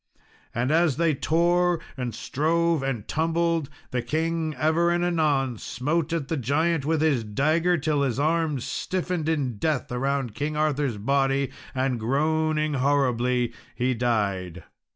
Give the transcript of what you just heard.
And as they tore and strove and tumbled, the king ever and anon smote at the giant with his dagger, till his arms stiffened in death around King Arthur's body, and groaning horribly, he died.